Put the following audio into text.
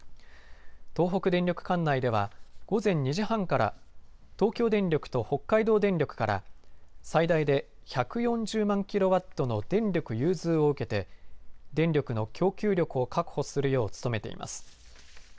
東北電力管内では午前２時半から東京電力と北海道電力から最大で１４０万キロワットの電力融通を受けて電力の供給力を確保するよう努めています。